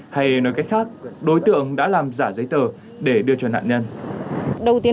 hay nói cách khác đối tượng đã làm giả giấy tờ để đưa cho nạn nhân